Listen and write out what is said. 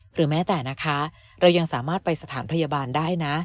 หรือแม้แต่นะคะเรายังสามารถไปสถานพยาบาลได้นะ